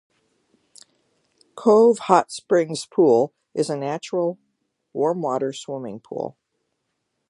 Cove Hot Springs Pool is a natural warm-water swimming pool.